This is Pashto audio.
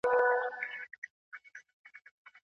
هغه استادان چي لارښوونه کوي باید پوره تجربه ولري.